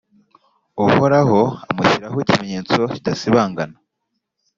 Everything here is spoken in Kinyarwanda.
Uhoraho amushyiraho ikimenyetso kidasibangana,